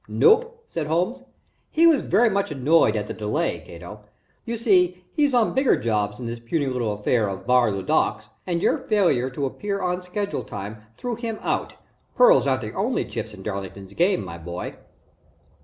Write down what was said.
"Nope," said Holmes. "He was very much annoyed by the delay, Cato. You see he's on bigger jobs than this puny little affair of Bar, LeDuc's, and your failure to appear on schedule time threw him out. Pearls aren't the only chips in Darlington's game, my boy."